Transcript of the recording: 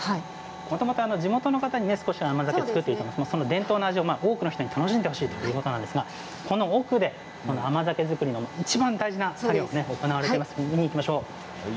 地元の方に少し甘酒を造っていて伝統の味を多くの人に知ってほしいということなんですが奥で甘酒造りのいちばん大事な作業が行われているので見にいきましょう。